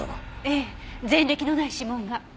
ええ前歴のない指紋が。